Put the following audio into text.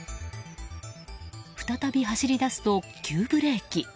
再び走り出すと急ブレーキ。